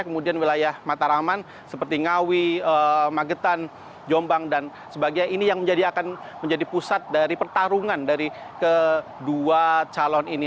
kemudian wilayah mataraman seperti ngawi magetan jombang dan sebagainya ini yang akan menjadi pusat dari pertarungan dari kedua calon ini